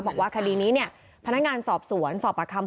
บอกว่าคดีนี้เนี่ยพนักงานสอบสวนสอบประคำ